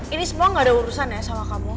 ini semua gak ada urusan ya sama kamu